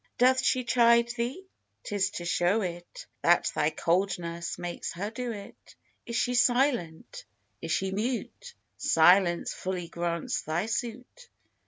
Doth she chide thee? 'tis to show it That thy coldness makes her do it. Is she silent, is she mute? Silence fully grants thy suit.